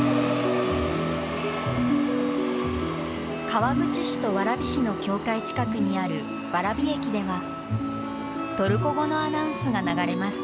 川口市と蕨市の境界近くにある蕨駅では、トルコ語のアナウンスが流れます。